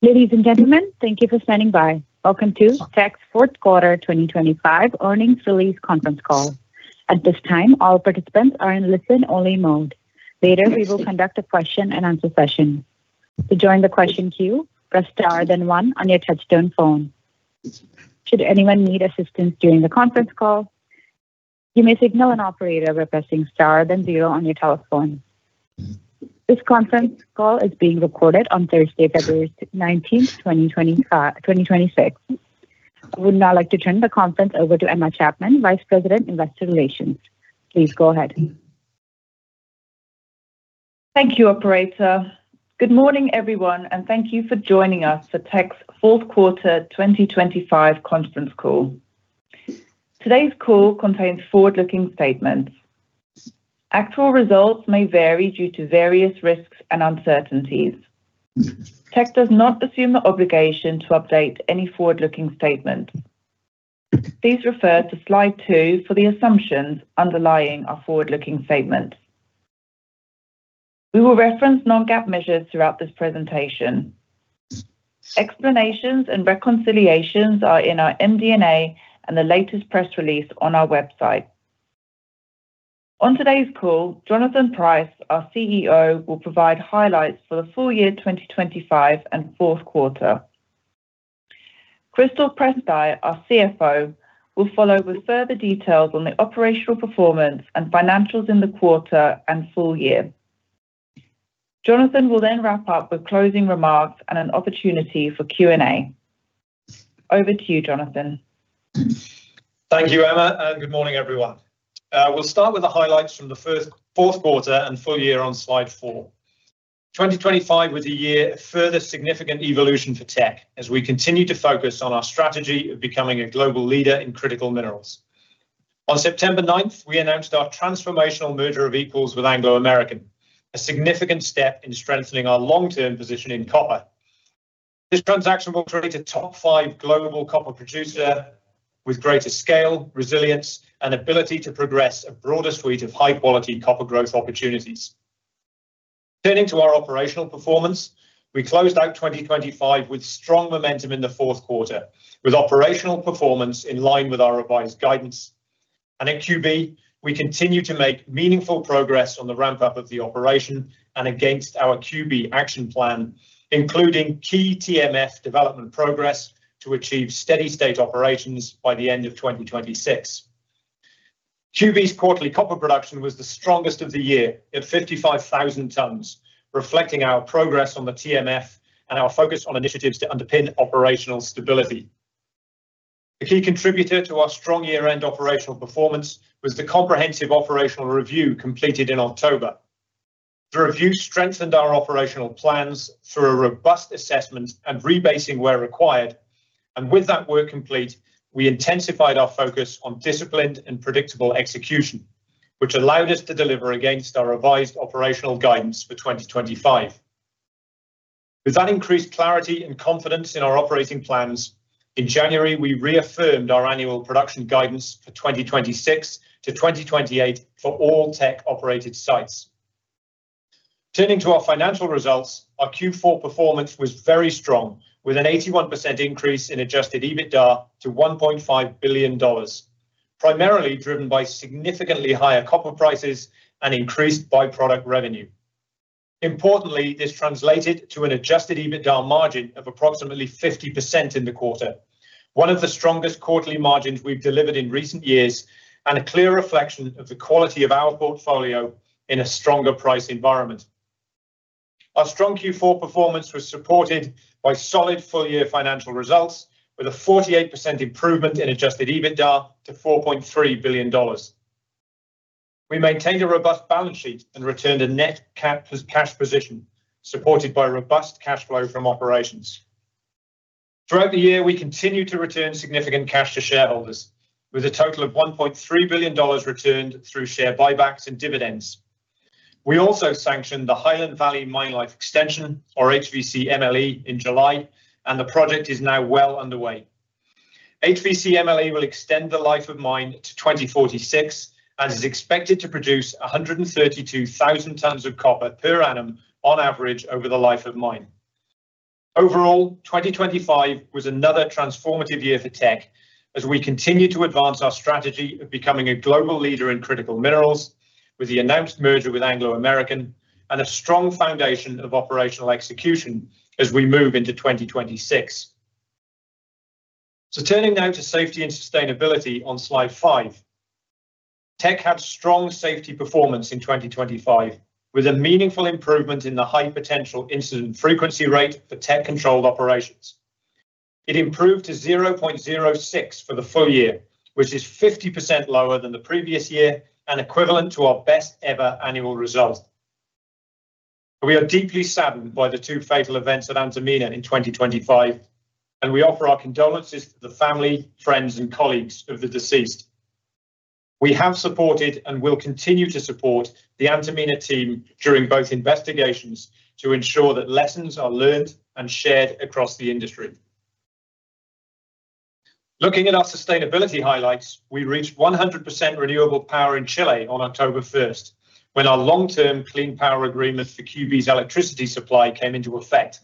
Ladies and gentlemen, thank you for standing by. Welcome to Teck's Q4 2025 Earnings Release Conference Call. At this time, all participants are in listen-only mode. Later, we will conduct a question-and-answer session. To join the question queue, press star, then one on your touchtone phone. Should anyone need assistance during the conference call, you may signal an operator by pressing star, then zero on your telephone. This conference call is being recorded on Thursday, February 19th, 2026. I would now like to turn the conference over to Emma Chapman, Vice President, Investor Relations. Please go ahead. Thank you, operator. Good morning, everyone, and thank you for joining us for Teck's Q4 2025 Conference Call. Today's call contains forward-looking statements. Actual results may vary due to various risks and uncertainties. Teck does not assume the obligation to update any forward-looking statement. Please refer to Slide 2 for the assumptions underlying our forward-looking statement. We will reference non-GAAP measures throughout this presentation. Explanations and reconciliations are in our MD&A and the latest press release on our website. On today's call, Jonathan Price, our CEO, will provide highlights for the full year 2025 and Q4. Crystal Prystai, our CFO, will follow with further details on the operational performance and financials in the quarter and full year. Jonathan will then wrap up with closing remarks and an opportunity for Q&A. Over to you, Jonathan. Thank you, Emma, and good morning, everyone. We'll start with the highlights from the Q4 and full year on Slide 4. 2025 was a year of further significant evolution for Teck as we continue to focus on our strategy of becoming a global leader in critical minerals. On September 9th, we announced our transformational merger of equals with Anglo American, a significant step in strengthening our long-term position in copper. This transaction will create a top five global copper producer with greater scale, resilience, and ability to progress a broader suite of high-quality copper growth opportunities. Turning to our operational performance, we closed out 2025 with strong momentum in the Q4, with operational performance in line with our revised guidance. At QB, we continue to make meaningful progress on the ramp-up of the operation and against our QB action plan, including key TMF development progress to achieve steady state operations by the end of 2026. QB's quarterly copper production was the strongest of the year at 55,000 tons, reflecting our progress on the TMF and our focus on initiatives to underpin operational stability. A key contributor to our strong year-end operational performance was the comprehensive operational review completed in October. The review strengthened our operational plans through a robust assessment and rebasing where required, and with that work complete, we intensified our focus on disciplined and predictable execution, which allowed us to deliver against our revised operational guidance for 2025. With that increased clarity and confidence in our operating plans, in January, we reaffirmed our annual production guidance for 2026 to 2028 for all Teck-operated sites. Turning to our financial results, our Q4 performance was very strong, with an 81% increase in adjusted EBITDA to $1.5 billion, primarily driven by significantly higher copper prices and increased byproduct revenue. Importantly, this translated to an adjusted EBITDA margin of approximately 50% in the quarter, one of the strongest quarterly margins we've delivered in recent years, and a clear reflection of the quality of our portfolio in a stronger price environment. Our strong Q4 performance was supported by solid full-year financial results, with a 48% improvement in adjusted EBITDA to $4.3 billion. We maintained a robust balance sheet and returned to a net cash position, supported by robust cash flow from operations. Throughout the year, we continued to return significant cash to shareholders, with a total of $1.3 billion returned through share buybacks and dividends. We also sanctioned the Highland Valley Mine Life Extension, or HVC MLE, in July, and the project is now well underway. HVC MLE will extend the life of mine to 2046 and is expected to produce 132,000 tons of copper per annum on average over the life of mine. Overall, 2025 was another transformative year for Teck as we continue to advance our strategy of becoming a global leader in critical minerals with the announced merger with Anglo American and a strong foundation of operational execution as we move into 2026. So turning now to safety and sustainability on Slide 5. Teck had strong safety performance in 2025, with a meaningful improvement in the high potential incident frequency rate for Teck-controlled operations. It improved to 0.06 for the full year, which is 50% lower than the previous year and equivalent to our best-ever annual result. We are deeply saddened by the two fatal events at Antamina in 2025, and we offer our condolences to the family, friends, and colleagues of the deceased. We have supported and will continue to support the Antamina team during both investigations to ensure that lessons are learned and shared across the industry.... Looking at our sustainability highlights, we reached 100% renewable power in Chile on October first, when our long-term clean power agreement for QB's electricity supply came into effect.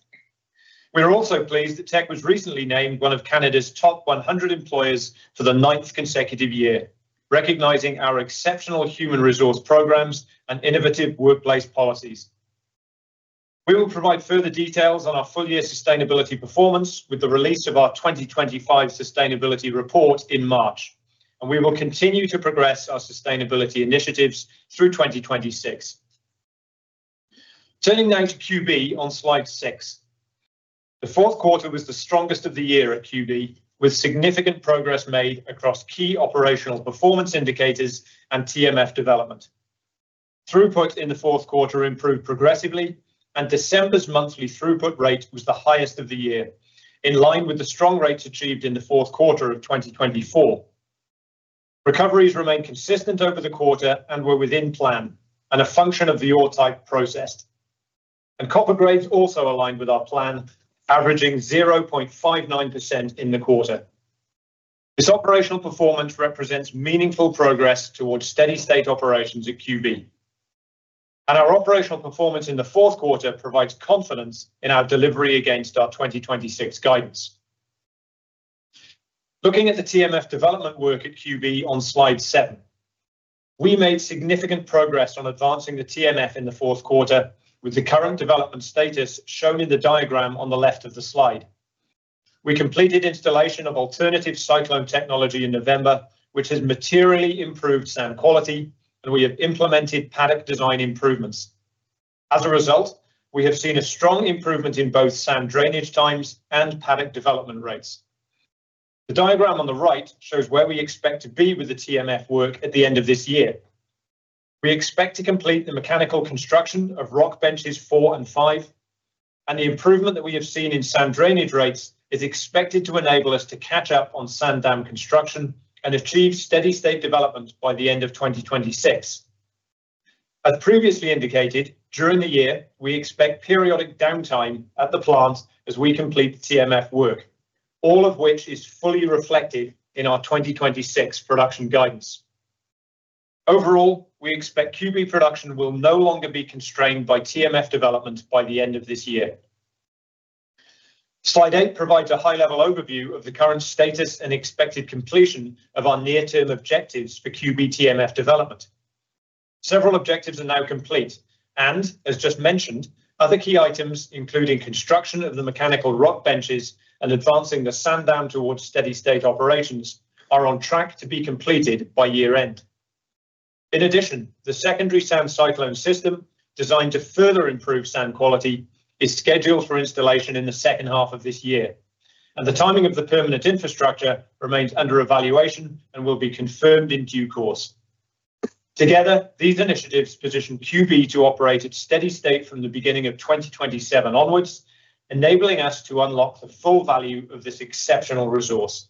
We are also pleased that Teck was recently named one of Canada's top 100 employers for the ninth consecutive year, recognizing our exceptional human resource programs and innovative workplace policies. We will provide further details on our full-year sustainability performance with the release of our 2025 sustainability report in March, and we will continue to progress our sustainability initiatives through 2026. Turning now to QB on Slide 6. The Q4 was the strongest of the year at QB, with significant progress made across key operational performance indicators and TMF development. Throughput in the Q4 improved progressively, and December's monthly throughput rate was the highest of the year, in line with the strong rates achieved in the Q4 of 2024. Recoveries remained consistent over the quarter and were within plan, and a function of the ore type processed. Copper grades also aligned with our plan, averaging 0.59% in the quarter. This operational performance represents meaningful progress towards steady state operations at QB. Our operational performance in the Q4 provides confidence in our delivery against our 2026 guidance. Looking at the TMF development work at QB on Slide 7, we made significant progress on advancing the TMF in the Q4, with the current development status shown in the diagram on the left of the Slide. We completed installation of alternative cyclone technology in November, which has materially improved sand quality, and we have implemented paddock design improvements. As a result, we have seen a strong improvement in both sand drainage times and paddock development rates. The diagram on the right shows where we expect to be with the TMF work at the end of this year. We expect to complete the mechanical construction of rock benches 4 and 5, and the improvement that we have seen in sand drainage rates is expected to enable us to catch up on sand dam construction and achieve steady state development by the end of 2026. As previously indicated, during the year, we expect periodic downtime at the plant as we complete the TMF work, all of which is fully reflected in our 2026 production guidance. Overall, we expect QB production will no longer be constrained by TMF development by the end of this year. Slide 8 provides a high-level overview of the current status and expected completion of our near-term objectives for QB TMF development. Several objectives are now complete, and as just mentioned, other key items, including construction of the mechanical rock benches and advancing the sand dam towards steady state operations, are on track to be completed by year-end. In addition, the secondary sand cyclone system, designed to further improve sand quality, is scheduled for installation in the second half of this year, and the timing of the permanent infrastructure remains under evaluation and will be confirmed in due course. Together, these initiatives position QB to operate at steady state from the beginning of 2027 onwards, enabling us to unlock the full value of this exceptional resource.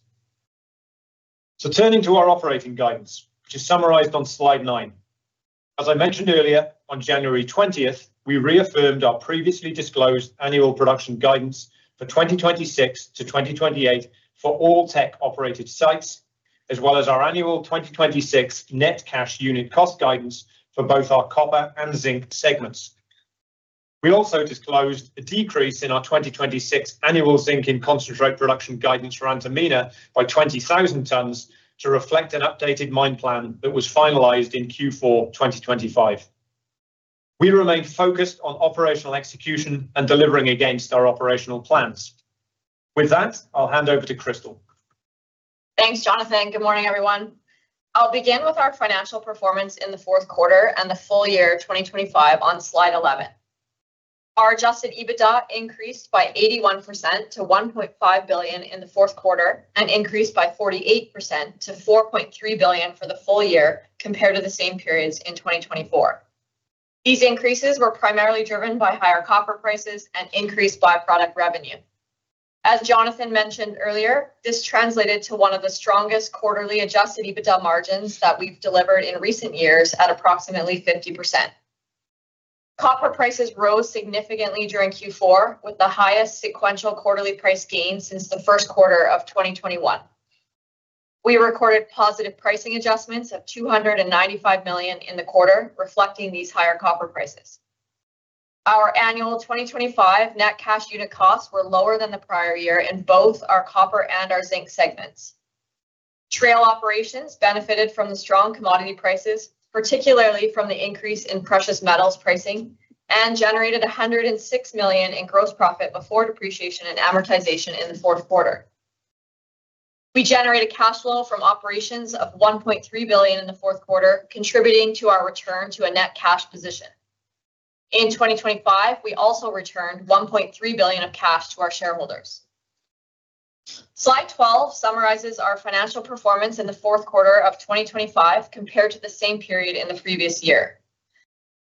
Turning to our operating guidance, which is summarized on Slide 9. As I mentioned earlier, on January 20, we reaffirmed our previously disclosed annual production guidance for 2026 to 2028 for all Teck-operated sites, as well as our annual 2026 net cash unit cost guidance for both our copper and zinc segments. We also disclosed a decrease in our 2026 annual zinc in concentrate production guidance for Antamina by 20,000 tons to reflect an updated mine plan that was finalized in Q4 2025. We remain focused on operational execution and delivering against our operational plans. With that, I'll hand over to Crystal. Thanks, Jonathan. Good morning, everyone. I'll begin with our financial performance in the Q4 and the full year of 2025 on Slide 11. Our Adjusted EBITDA increased by 81% to $1.5 billion in the Q4 and increased by 48% to $4.3 billion for the full year, compared to the same periods in 2024. These increases were primarily driven by higher copper prices and increased by-product revenue. As Jonathan mentioned earlier, this translated to one of the strongest quarterly Adjusted EBITDA margins that we've delivered in recent years at approximately 50%. Copper prices rose significantly during Q4, with the highest sequential quarterly price gain since the Q1 of 2021. We recorded positive pricing adjustments of $295 million in the quarter, reflecting these higher copper prices. Our annual 2025 net cash unit costs were lower than the prior year in both our copper and our zinc segments. Trail Operations benefited from the strong commodity prices, particularly from the increase in precious metals pricing, and generated $106 million in gross profit before depreciation and amortization in the Q4. We generated cash flow from operations of $1.3 billion in the Q4, contributing to our return to a net cash position. In 2025, we also returned $1.3 billion of cash to our shareholders. Slide 12 summarizes our financial performance in the Q4 of 2025 compared to the same period in the previous year.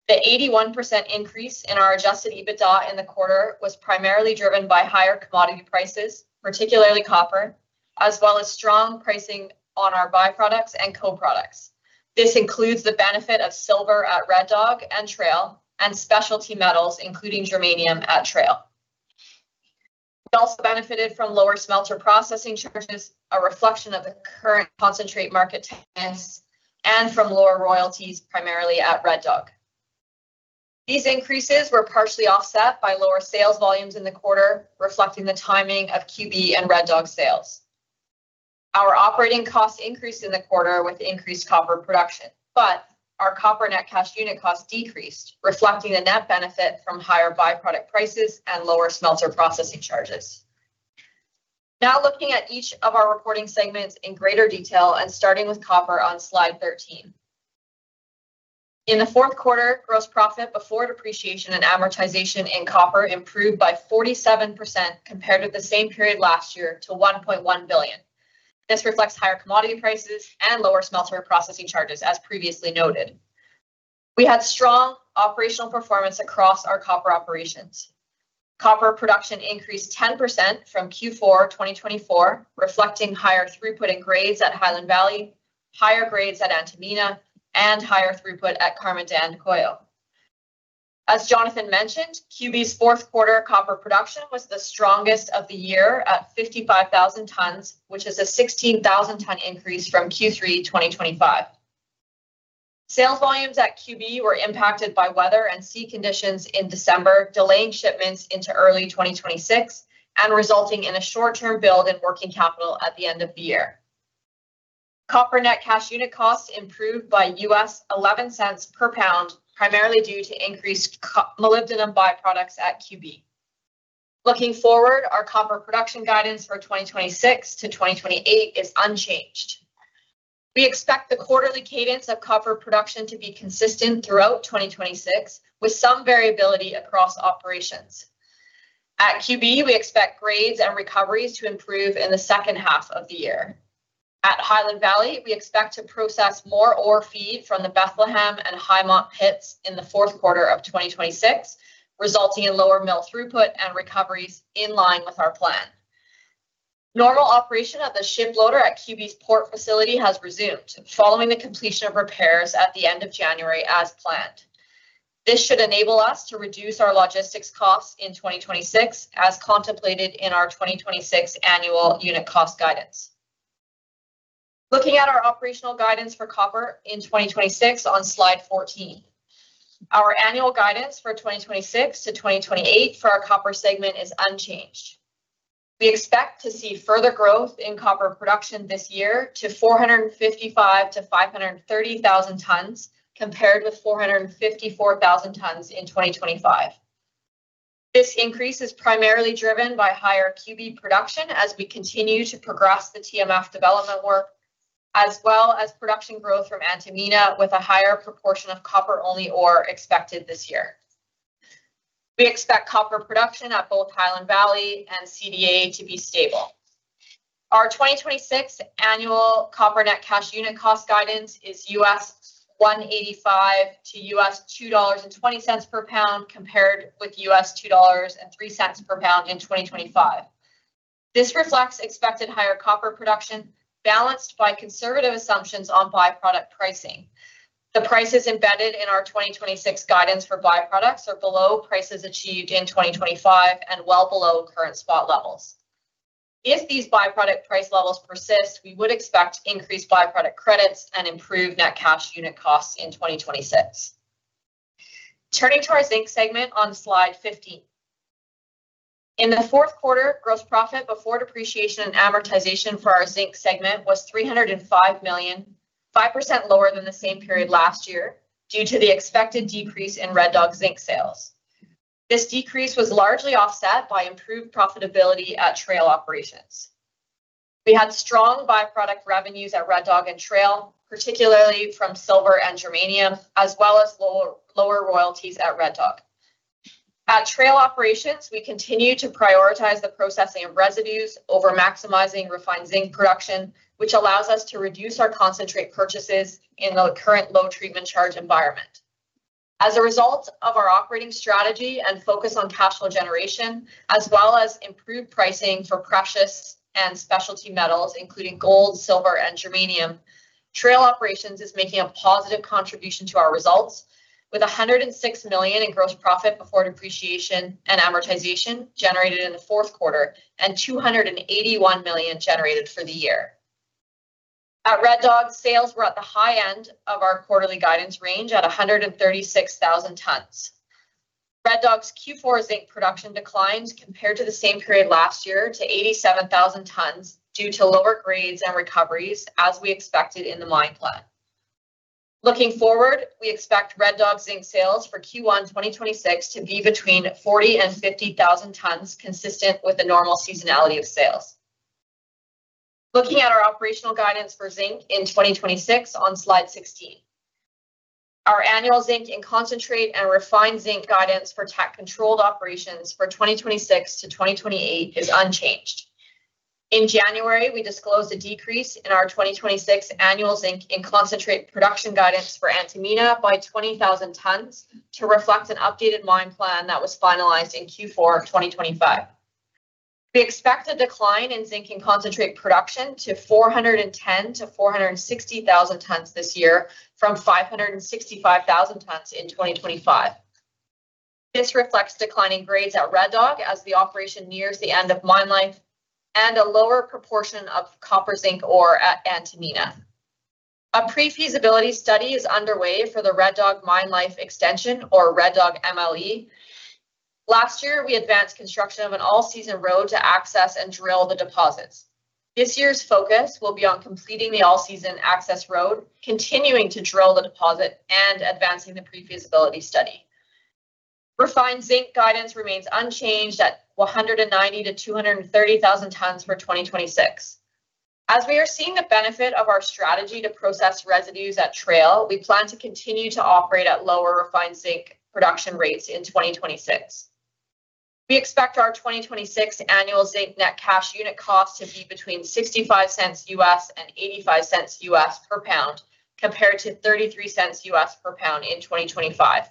The 81% increase in our adjusted EBITDA in the quarter was primarily driven by higher commodity prices, particularly copper, as well as strong pricing on our by-products and co-products. This includes the benefit of silver at Red Dog and Trail, and specialty metals, including germanium at Trail. We also benefited from lower smelter processing charges, a reflection of the current concentrate market trends, and from lower royalties, primarily at Red Dog. These increases were partially offset by lower sales volumes in the quarter, reflecting the timing of QB and Red Dog sales. Our operating costs increased in the quarter with increased copper production, but our copper net cash unit costs decreased, reflecting the net benefit from higher byproduct prices and lower smelter processing charges. Now, looking at each of our reporting segments in greater detail, and starting with copper on Slide 13. In the Q4, gross profit before depreciation and amortization in copper improved by 47% compared to the same period last year to $1.1 billion. This reflects higher commodity prices and lower smelter processing charges, as previously noted. We had strong operational performance across our copper operations. Copper production increased 10% from Q4 2024, reflecting higher throughput in grades at Highland Valley, higher grades at Antamina, and higher throughput at Carmen de Andacollo. As Jonathan mentioned, QB's Q4 copper production was the strongest of the year at 55,000 tons, which is a 16,000-ton increase from Q3 2025. Sales volumes at QB were impacted by weather and sea conditions in December, delaying shipments into early 2026, and resulting in a short-term build in working capital at the end of the year. Copper net cash unit costs improved by $0.11 per pound, primarily due to increased co-product molybdenum byproducts at QB. Looking forward, our copper production guidance for 2026-2028 is unchanged. We expect the quarterly cadence of copper production to be consistent throughout 2026, with some variability across operations. At QB, we expect grades and recoveries to improve in the second half of the year. At Highland Valley, we expect to process more ore feed from the Bethlehem and Highmont pits in the Q4 of 2026, resulting in lower mill throughput and recoveries in line with our plan. Normal operation of the ship loader at QB's port facility has resumed following the completion of repairs at the end of January, as planned. This should enable us to reduce our logistics costs in 2026, as contemplated in our 2026 annual unit cost guidance. Looking at our operational guidance for copper in 2026 on Slide 14. Our annual guidance for 2026 to 2028 for our copper segment is unchanged. We expect to see further growth in copper production this year to 455,000-530,000 tons, compared with 454,000 tons in 2025. This increase is primarily driven by higher QB production as we continue to progress the TMF development work, as well as production growth from Antamina, with a higher proportion of copper-only ore expected this year. We expect copper production at both Highland Valley and CDA to be stable. Our 2026 annual copper net cash unit cost guidance is $1.85-$2.20 per pound, compared with $2.03 per pound in 2025. This reflects expected higher copper production, balanced by conservative assumptions on byproduct pricing. The prices embedded in our 2026 guidance for byproducts are below prices achieved in 2025 and well below current spot levels. If these byproduct price levels persist, we would expect increased byproduct credits and improved net cash unit costs in 2026. Turning to our zinc segment on Slide 15. In the Q4, gross profit before depreciation and amortization for our zinc segment was $305 million, 5% lower than the same period last year, due to the expected decrease in Red Dog zinc sales. This decrease was largely offset by improved profitability at Trail Operations. We had strong byproduct revenues at Red Dog and Trail, particularly from silver and germanium, as well as lower royalties at Red Dog. At Trail Operations, we continue to prioritize the processing of residues over maximizing refined zinc production, which allows us to reduce our concentrate purchases in the current low treatment charge environment. As a result of our operating strategy and focus on cash flow generation, as well as improved pricing for precious and specialty metals, including gold, silver, and germanium, Trail Operations is making a positive contribution to our results with $106 million in gross profit before depreciation and amortization generated in the Q4 and $281 million generated for the year. At Red Dog, sales were at the high end of our quarterly guidance range at 136,000 tons. Red Dog's Q4 zinc production declined compared to the same period last year to 87,000 tons due to lower grades and recoveries, as we expected in the mine plan. Looking forward, we expect Red Dog zinc sales for Q1 2026 to be between 40,000-50,000 tons, consistent with the normal seasonality of sales. Looking at our operational guidance for zinc in 2026 on Slide 16. Our annual zinc in concentrate and refined zinc guidance for Teck controlled operations for 2026-2028 is unchanged. In January, we disclosed a decrease in our 2026 annual zinc in concentrate production guidance for Antamina by 20,000 tons to reflect an updated mine plan that was finalized in Q4 of 2025. We expect a decline in zinc in concentrate production to 410,000-460,000 tons this year from 565,000 tons in 2025.... This reflects declining grades at Red Dog as the operation nears the end of mine life, and a lower proportion of copper zinc ore at Antamina. A pre-feasibility study is underway for the Red Dog Mine Life Extension, or Red Dog MLE. Last year, we advanced construction of an all-season road to access and drill the deposits. This year's focus will be on completing the all-season access road, continuing to drill the deposit, and advancing the pre-feasibility study. Refined zinc guidance remains unchanged at 190,000-230,000 tons for 2026. As we are seeing the benefit of our strategy to process residues at Trail, we plan to continue to operate at lower refined zinc production rates in 2026. We expect our 2026 annual zinc net cash unit cost to be between $0.65 and $0.85 per pound, compared to $0.33 per pound in 2025.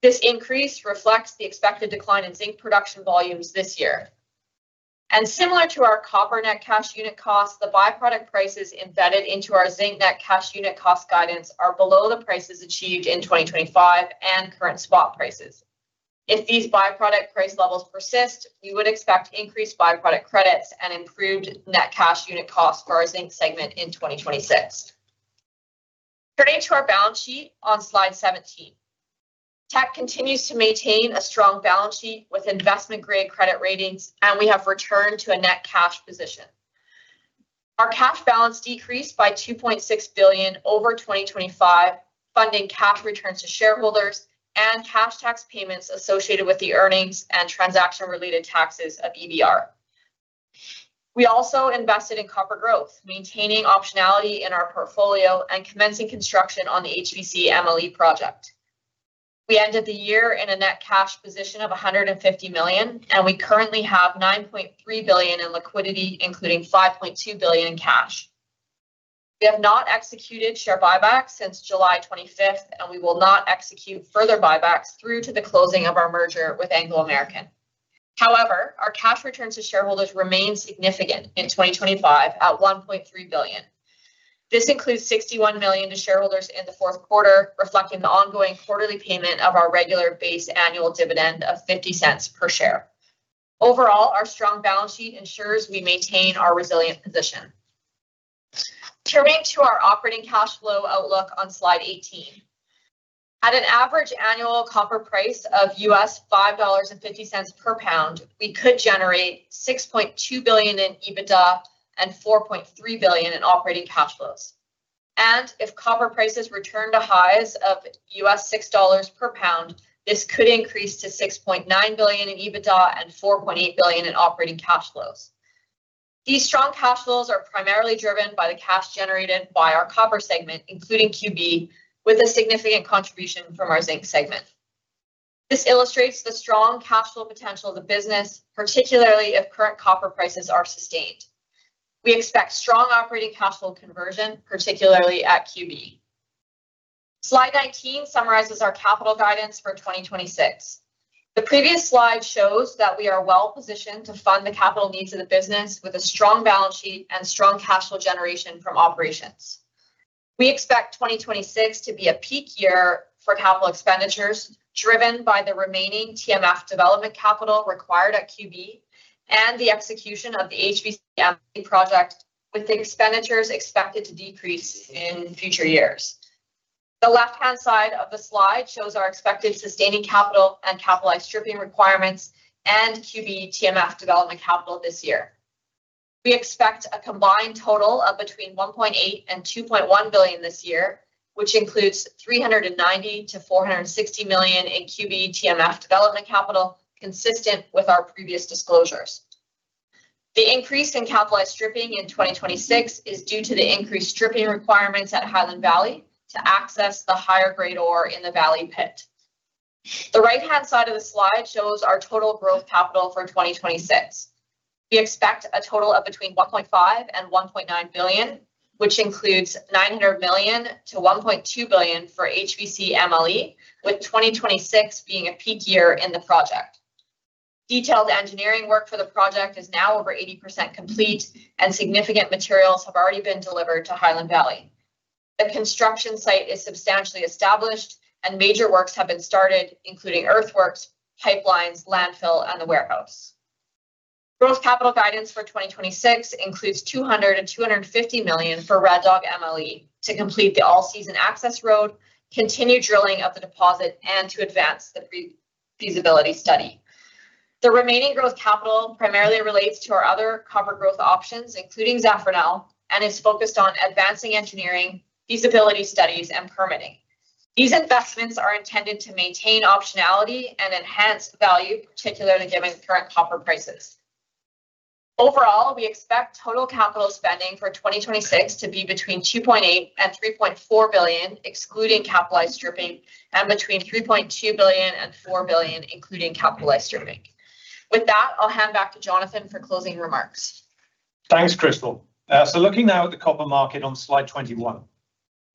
This increase reflects the expected decline in zinc production volumes this year. Similar to our copper net cash unit cost, the byproduct prices embedded into our zinc net cash unit cost guidance are below the prices achieved in 2025 and current spot prices. If these byproduct price levels persist, we would expect increased byproduct credits and improved net cash unit cost for our zinc segment in 2026. Turning to our balance sheet on Slide 17, Teck continues to maintain a strong balance sheet with investment-grade credit ratings, and we have returned to a net cash position. Our cash balance decreased by $2.6 billion over 2025, funding cash returns to shareholders and cash tax payments associated with the earnings and transaction-related taxes of EVR. We also invested in copper growth, maintaining optionality in our portfolio and commencing construction on the HVC MLE project. We ended the year in a net cash position of $150 million, and we currently have $9.3 billion in liquidity, including $5.2 billion in cash. We have not executed share buybacks since July 25, and we will not execute further buybacks through to the closing of our merger with Anglo American. However, our cash returns to shareholders remained significant in 2025 at $1.3 billion. This includes $61 million to shareholders in the Q4, reflecting the ongoing quarterly payment of our regular base annual dividend of $0.50 per share. Overall, our strong balance sheet ensures we maintain our resilient position. Turning to our operating cash flow outlook on Slide 18, at an average annual copper price of $5.50 per pound, we could generate $6.2 billion in EBITDA and $4.3 billion in operating cash flows. If copper prices return to highs of $6 per pound, this could increase to $6.9 billion in EBITDA and $4.8 billion in operating cash flows. These strong cash flows are primarily driven by the cash generated by our copper segment, including QB, with a significant contribution from our zinc segment. This illustrates the strong cash flow potential of the business, particularly if current copper prices are sustained. We expect strong operating cash flow conversion, particularly at QB. Slide 19 summarizes our capital guidance for 2026. The previous Slide shows that we are well positioned to fund the capital needs of the business with a strong balance sheet and strong cash flow generation from operations. We expect 2026 to be a peak year for capital expenditures, driven by the remaining TMF development capital required at QB and the execution of the HVC MLE project, with expenditures expected to decrease in future years. The left-hand side of the Slide shows our expected sustaining capital and capitalized stripping requirements and QB TMF development capital this year. We expect a combined total of between $1.8 billion-$2.1 billion this year, which includes $390 million-$460 million in QB TMF development capital, consistent with our previous disclosures. The increase in capitalized stripping in 2026 is due to the increased stripping requirements at Highland Valley to access the higher-grade ore in the Valley Pit. The right-hand side of the Slide shows our total growth capital for 2026. We expect a total of between $1.5 billion and $1.9 billion, which includes $900 million-$1.2 billion for HVC MLE, with 2026 being a peak year in the project. Detailed engineering work for the project is now over 80% complete, and significant materials have already been delivered to Highland Valley. The construction site is substantially established, and major works have been started, including earthworks, pipelines, landfill, and the warehouse. Growth capital guidance for 2026 includes $200 million-$250 million for Red Dog MLE to complete the all-season access road, continue drilling of the deposit, and to advance the pre-feasibility study. The remaining growth capital primarily relates to our other copper growth options, including Zafranal, and is focused on advancing engineering, feasibility studies, and permitting. These investments are intended to maintain optionality and enhance value, particularly given current copper prices. Overall, we expect total capital spending for 2026 to be between $2.8 billion and $3.4 billion, excluding capitalized stripping, and between $3.2 billion and $4 billion, including capitalized stripping. With that, I'll hand back to Jonathan for closing remarks. Thanks, Crystal. So looking now at the copper market on Slide 21,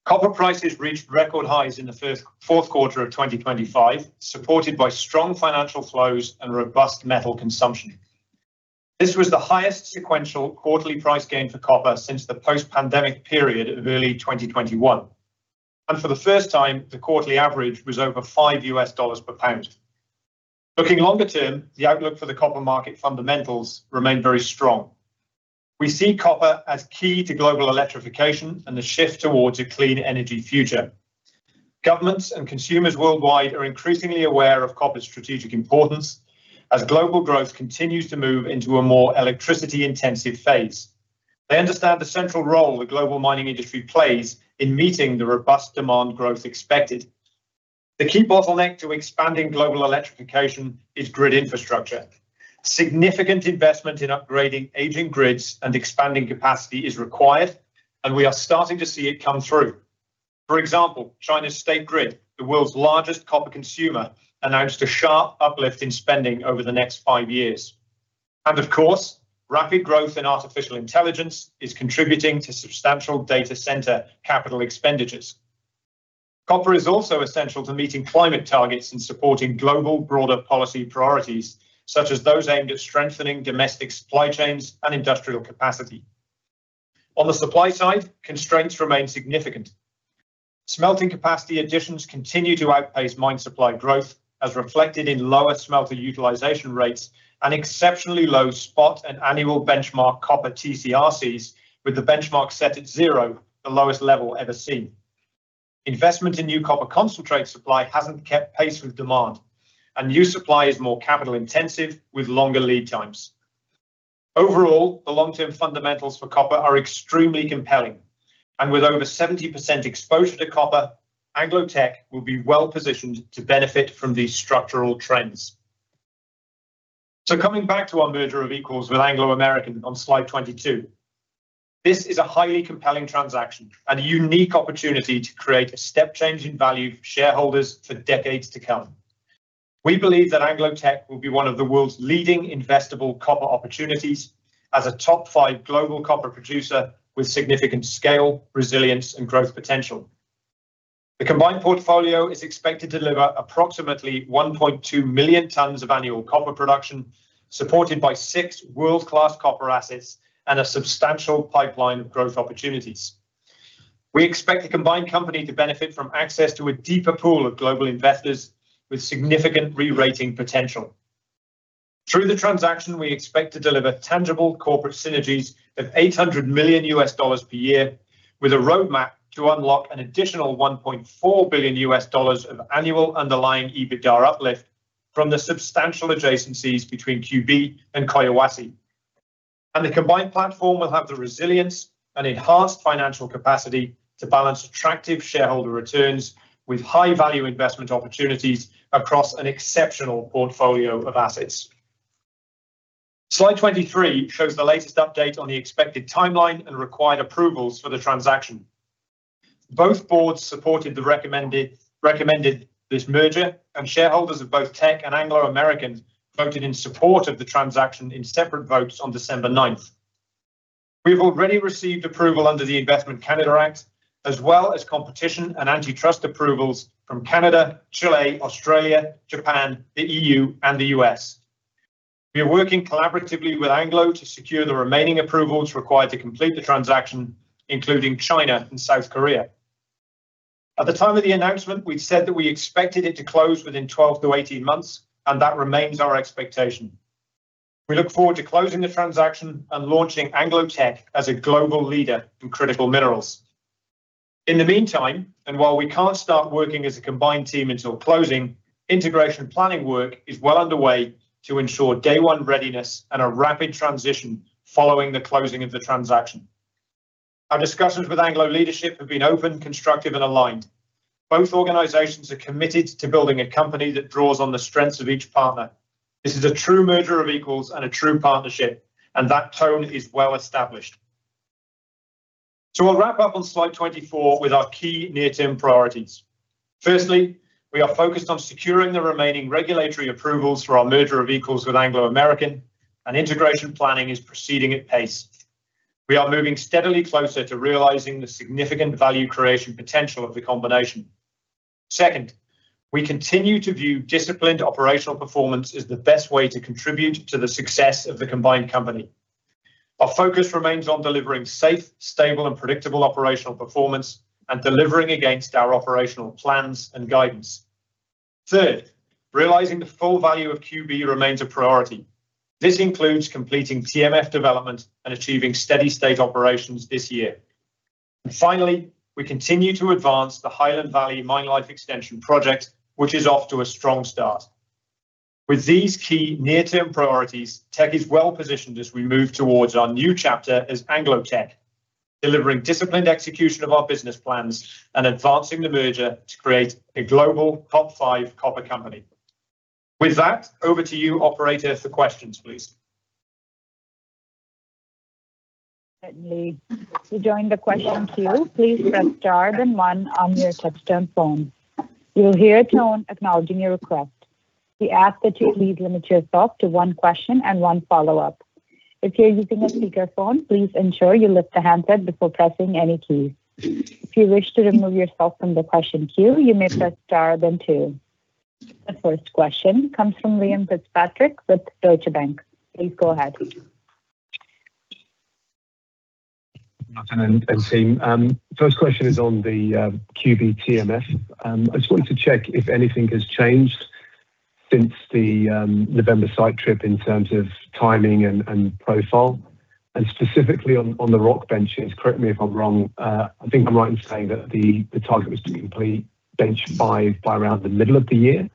copper prices reached record highs in the Q4 of 2025, supported by strong financial flows and robust metal consumption. This was the highest sequential quarterly price gain for copper since the post-pandemic period of early 2021, and for the first time, the quarterly average was over $5 per pound. Looking longer term, the outlook for the copper market fundamentals remain very strong. We see copper as key to global electrification and the shift towards a clean energy future. Governments and consumers worldwide are increasingly aware of copper's strategic importance, as global growth continues to move into a more electricity-intensive phase. They understand the central role the global mining industry plays in meeting the robust demand growth expected. The key bottleneck to expanding global electrification is grid infrastructure. Significant investment in upgrading aging grids and expanding capacity is required, and we are starting to see it come through. For example, China's State Grid, the world's largest copper consumer, announced a sharp uplift in spending over the next five years. And of course, rapid growth in artificial intelligence is contributing to substantial data center capital expenditures. Copper is also essential to meeting climate targets and supporting global broader policy priorities, such as those aimed at strengthening domestic supply chains and industrial capacity. On the supply side, constraints remain significant. Smelting capacity additions continue to outpace mine supply growth, as reflected in lower smelter utilization rates and exceptionally low spot and annual benchmark copper TC/RCs, with the benchmark set at zero, the lowest level ever seen. Investment in new copper concentrate supply hasn't kept pace with demand, and new supply is more capital intensive with longer lead times. Overall, the long-term fundamentals for copper are extremely compelling, and with over 70% exposure to copper, Anglo Teck will be well-positioned to benefit from these structural trends. Coming back to our merger of equals with Anglo American on Slide 22, this is a highly compelling transaction and a unique opportunity to create a step change in value for shareholders for decades to come. We believe that Anglo Teck will be one of the world's leading investable copper opportunities as a top five global copper producer with significant scale, resilience, and growth potential. The combined portfolio is expected to deliver approximately 1.2 million tons of annual copper production, supported by six world-class copper assets and a substantial pipeline of growth opportunities. We expect the combined company to benefit from access to a deeper pool of global investors with significant re-rating potential. Through the transaction, we expect to deliver tangible corporate synergies of $800 million per year, with a roadmap to unlock an additional $1.4 billion of annual underlying EBITDA uplift from the substantial adjacencies between QB and Collahuasi. The combined platform will have the resilience and enhanced financial capacity to balance attractive shareholder returns with high-value investment opportunities across an exceptional portfolio of assets. Slide 23 shows the latest update on the expected timeline and required approvals for the transaction. Both boards supported the recommended merger, and shareholders of both Teck and Anglo American voted in support of the transaction in separate votes on December ninth. We've already received approval under the Investment Canada Act, as well as competition and antitrust approvals from Canada, Chile, Australia, Japan, the E.U., and the U.S. We are working collaboratively with Anglo to secure the remaining approvals required to complete the transaction, including China and South Korea. At the time of the announcement, we said that we expected it to close within 12-18 months, and that remains our expectation. We look forward to closing the transaction and launching Anglo Teck as a global leader in critical minerals. In the meantime, and while we can't start working as a combined team until closing, integration planning work is well underway to ensure day one readiness and a rapid transition following the closing of the transaction. Our discussions with Anglo leadership have been open, constructive, and aligned. Both organizations are committed to building a company that draws on the strengths of each partner. This is a true merger of equals and a true partnership, and that tone is well established. So I'll wrap up on Slide 24 with our key near-term priorities. Firstly, we are focused on securing the remaining regulatory approvals for our merger of equals with Anglo American, and integration planning is proceeding at pace. We are moving steadily closer to realizing the significant value creation potential of the combination. Second, we continue to view disciplined operational performance as the best way to contribute to the success of the combined company. Our focus remains on delivering safe, stable, and predictable operational performance and delivering against our operational plans and guidance. Third, realizing the full value of QB remains a priority. This includes completing TMF development and achieving steady state operations this year. And finally, we continue to advance the Highland Valley Copper Mine Life Extension project, which is off to a strong start. With these key near-term priorities, Teck is well positioned as we move towards our new chapter as Anglo Teck, delivering disciplined execution of our business plans and advancing the merger to create a global top five copper company. With that, over to you, operator, for questions, please. Certainly. To join the question queue, please press star then one on your touchtone phone. You'll hear a tone acknowledging your request. We ask that you please limit yourself to one question and one follow-up. If you're using a speakerphone, please ensure you lift the handset before pressing any keys. If you wish to remove yourself from the question queue, you may press star then two... The first question comes from Liam Fitzpatrick with Deutsche Bank. Please go ahead. Good afternoon, team. First question is on the QB TMF. I just wanted to check if anything has changed since the November site trip in terms of timing and profile, and specifically on the rock benches. Correct me if I'm wrong, I think I'm right in saying that the target was to complete bench by around the middle of the year.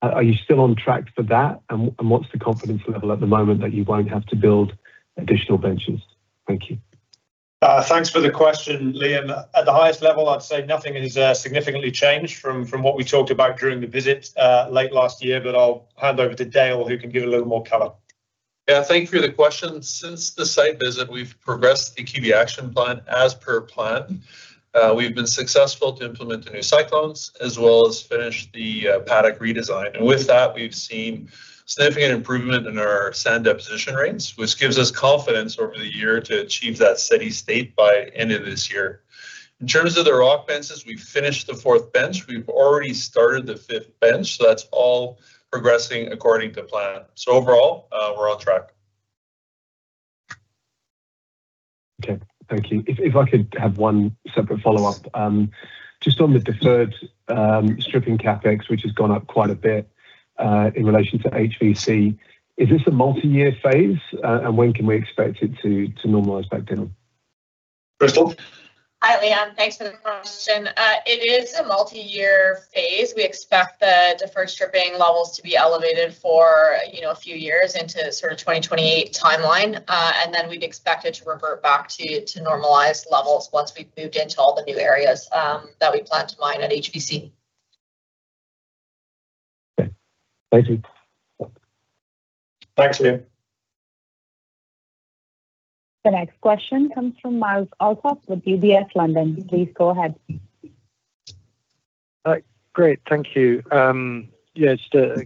Are you still on track for that? And what's the confidence level at the moment that you won't have to build additional benches? Thank you. Thanks for the question, Liam. At the highest level, I'd say nothing has significantly changed from what we talked about during the visit late last year, but I'll hand over to Dale, who can give a little more color. Yeah, thank you for the question. Since the site visit, we've progressed the QB action plan as per plan. We've been successful to implement the new cyclones, as well as finish the paddock redesign. And with that, we've seen significant improvement in our sand deposition rates, which gives us confidence over the year to achieve that steady state by end of this year. In terms of the rock benches, we've finished the fourth bench. We've already started the fifth bench, so that's all progressing according to plan. So overall, we're on track. Okay. Thank you. If I could have one separate follow-up, just on the deferred stripping CapEx, which has gone up quite a bit, in relation to HVC, is this a multi-year phase? When can we expect it to normalize back down? Crystal? Hi, Liam. Thanks for the question. It is a multi-year phase. We expect the deferred stripping levels to be elevated for, you know, a few years into sort of 2028 timeline. And then we'd expect it to revert back to, to normalized levels once we've moved into all the new areas, that we plan to mine at HVC. Okay. Thank you. Thanks, Liam. The next question comes from Myles Allsop with UBS London. Please go ahead. Great. Thank you. Yeah, just a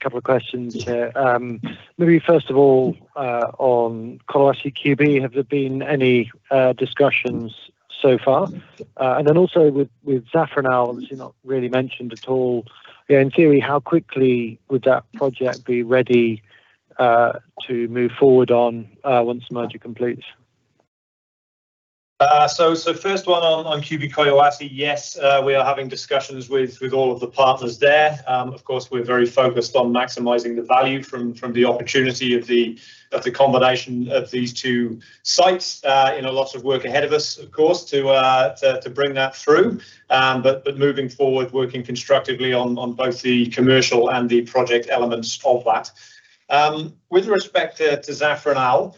couple of questions here. Maybe first of all, on Collahuasi QB, have there been any discussions so far? And then also with Zafranal, obviously not really mentioned at all. Yeah, in theory, how quickly would that project be ready to move forward on once the merger completes? So, first one, on QB Collahuasi, yes, we are having discussions with all of the partners there. Of course, we're very focused on maximizing the value from the opportunity of the combination of these two sites. You know, lots of work ahead of us, of course, to bring that through. But moving forward, working constructively on both the commercial and the project elements of that. With respect to Zafranal,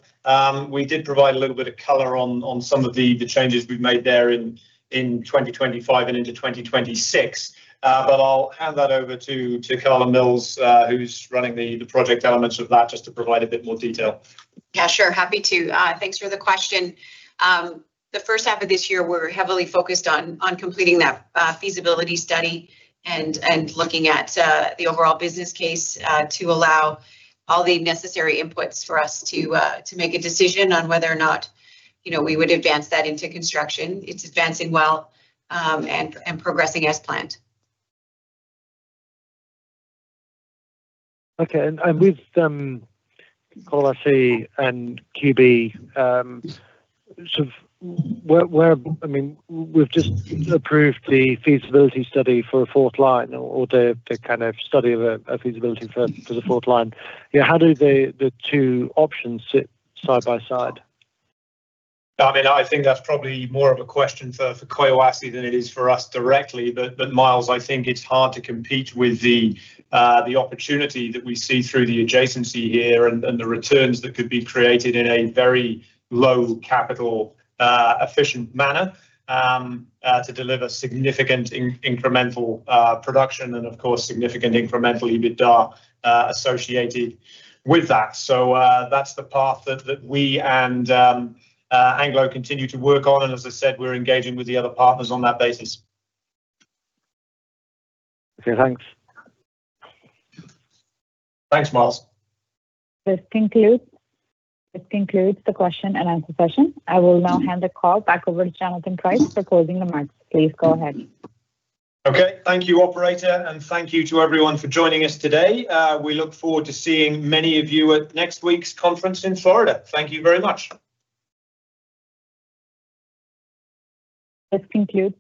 we did provide a little bit of color on some of the changes we've made there in 2025 and into 2026. But I'll hand that over to Karla Mills, who's running the project elements of that, just to provide a bit more detail. Yeah, sure, happy to. Thanks for the question. The first half of this year, we're heavily focused on completing that feasibility study and looking at the overall business case to allow all the necessary inputs for us to make a decision on whether or not, you know, we would advance that into construction. It's advancing well, and progressing as planned. Okay, and with Collahuasi and QB, sort of where... I mean, we've just approved the feasibility study for a fourth line or the kind of study of a feasibility for the fourth line. Yeah, how do the two options sit side by side? I mean, I think that's probably more of a question for Collahuasi than it is for us directly, but Myles, I think it's hard to compete with the opportunity that we see through the adjacency here and the returns that could be created in a very low capital efficient manner, to deliver significant incremental production and of course, significant incremental EBITDA associated with that. So, that's the path that we and Anglo continue to work on, and as I said, we're engaging with the other partners on that basis. Okay, thanks. Thanks, Myles. This concludes the question and answer session. I will now hand the call back over to Jonathan Price for closing remarks. Please go ahead. Okay, thank you, operator, and thank you to everyone for joining us today. We look forward to seeing many of you at next week's conference in Florida. Thank you very much! This concludes-